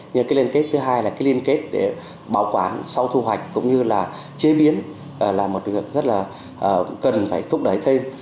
nhưng cái liên kết thứ hai là cái liên kết để bảo quản sau thu hoạch cũng như là chế biến là một việc rất là cần phải thúc đẩy thêm